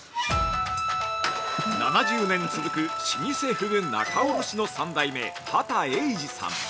◆７０年続く老舗ふぐ仲卸の３代目、畑栄次さん。